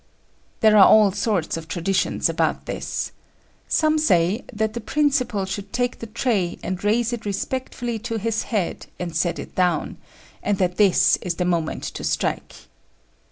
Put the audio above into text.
There are all sorts of traditions about this. Some say that the principal should take the tray and raise it respectfully to his head, and set it down; and that this is the moment to strike.